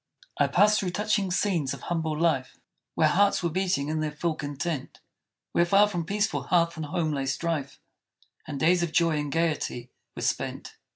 I passed through touching scenes of humble life, Where hearts were beating in their full content; Where far from peaceful hearth and home lay strife, And days of joy and gaiety were spent.